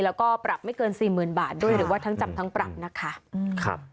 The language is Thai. แล้วก็ปรับไม่เกิน๔๐๐๐บาทด้วยหรือว่าทั้งจำทั้งปรับนะคะ